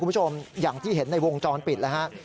คุณผู้ชมอย่างที่เห็นในวงจรปิดแล้วฮะ